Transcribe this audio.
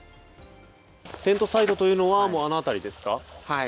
テントサイトがあるのはあの辺りですか？